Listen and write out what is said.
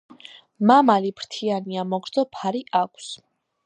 მამალი ფრთიანია, მოგრძო ფარი აქვს.